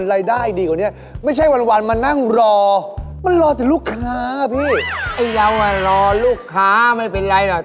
เราอ่ะรอลูกค้าไม่เป็นไรหรอก